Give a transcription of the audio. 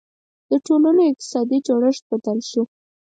• د ټولنو اقتصادي جوړښت بدل شو.